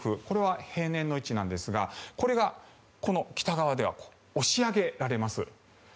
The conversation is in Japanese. これは平年の位置なんですがこれが北側では押し上げられます。